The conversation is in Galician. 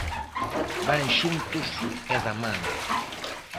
Van xuntos e da man.